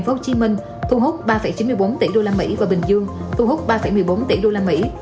hồ chí minh thu hút ba chín mươi bốn tỷ usd và bình dương thu hút ba một mươi bốn tỷ usd